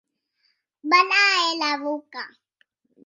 Barra era boca.